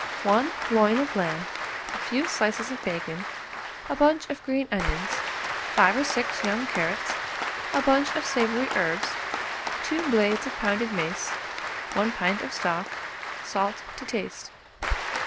1 loin of lamb, a few slices of bacon, 1 bunch of green onions, 5 or 6 young carrots, a bunch of savoury herbs, 2 blades of pounded mace, 1 pint of stock, salt to taste.